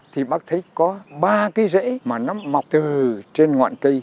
thì bác thấy có ba cái rễ mà nó mọc từ trên ngoạn cây